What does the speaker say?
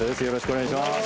お願いします。